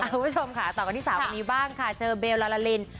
คุณผู้ชมค่ะต่อกันที่สาวคนนี้บ้างค่ะเชอเบลลาลาลิน